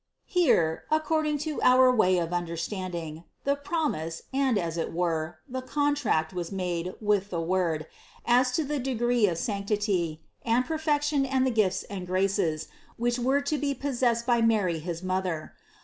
45. Here (according to our way of understanding) the promise and, as it were, the contract was made with the Word as to the degree of sanctity, and perfection and the gifts and graces, which were to be possessed by Mary his Mother.